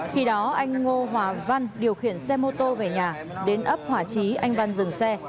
khi đó anh ngô hoàng văn điều khiển xe mô tô về nhà đến ấp hòa chí anh văn dừng xe